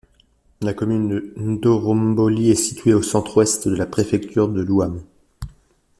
La commune de Ndoro-Mboli est située au centre-ouest de la préfecture de l’Ouham.